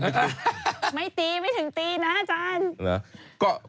ไม่ตีไม่ถึงตีนะอาจารย์